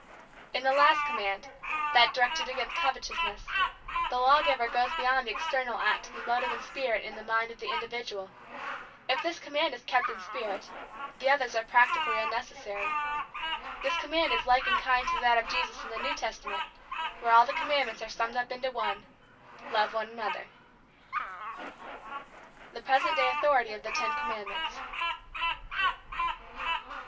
In the last command, that directed against covetousness, the law giver goes beyond the external act to the motive and spirit in the mind of the individual. If this command is kept in spirit, the others are practically unnecessary. This command is like in kind to that of Jesus in the New Testament, where all the commandments are summed up into one: "Love one another." VI. THE PRESENT DAY AUTHORITY OF THE TEN COMMANDMENTS.